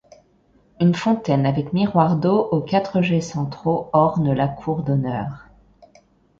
Une fontaine avec miroir d'eau aux quatre jets centraux orne la cour d'honneur.